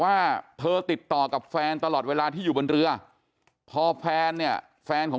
ว่าเธอติดต่อกับแฟนตลอดเวลาที่อยู่บนเรือพอแฟนเนี่ยแฟนของ